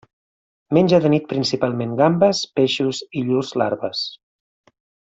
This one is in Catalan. Menja de nit principalment gambes, peixos i llurs larves.